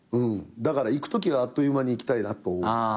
だから逝くときはあっという間に逝きたいなと。